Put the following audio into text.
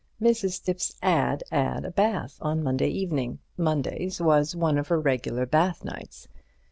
Mrs. Thipps 'ad 'ad a bath on Monday evening, Mondays was one of her regular bath nights.